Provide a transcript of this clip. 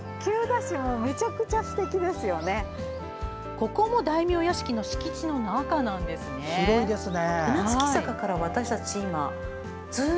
ここも、大名屋敷の敷地の中なんですね。